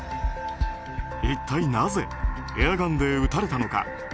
一体なぜエアガンで撃たれたのか。